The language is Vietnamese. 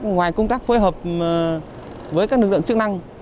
ngoài công tác phối hợp với các lực lượng chức năng